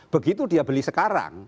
begitu dia beli sekarang